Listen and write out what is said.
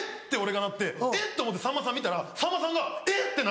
て俺がなってえっ？と思ってさんまさん見たらさんまさんがえっ？